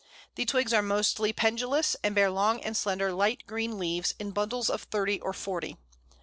The twigs are mostly pendulous, and bear long and slender light green leaves, in bundles of thirty or forty.